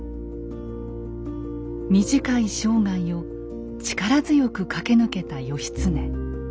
短い生涯を力強く駆け抜けた義経。